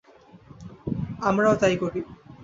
আমরাও তাই করি।